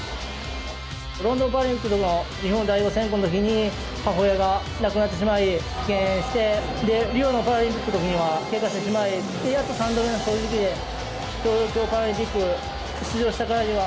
ロンドンパラリンピックの日本代表選考のときに、母親が亡くなってしまい、棄権して、リオのパラリンピックのときには、けがをしてしまい、やっと３度目の正直で、東京パラリンピックに出場したからには、